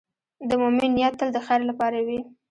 د مؤمن نیت تل د خیر لپاره وي.